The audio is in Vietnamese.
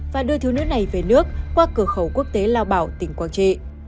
và đưa thú nữ này về nước qua cửa khẩu quốc tế lao bảo tỉnh quang trị